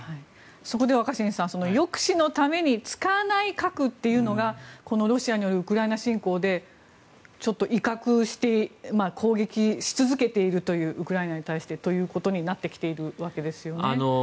そこで若新さん抑止のために使わない核というのがロシアによるウクライナ侵攻でちょっと威嚇して攻撃し続けているというウクライナに対してということになってきているわけですよね。